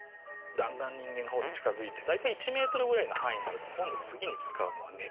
だんだん人間の方に近づいて大体１ｍぐらいの範囲になると今度次に使うのが熱。